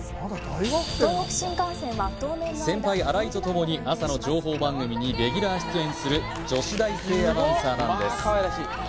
東北新幹線は先輩新井とともに朝の情報番組にレギュラー出演する女子大生アナウンサーなんです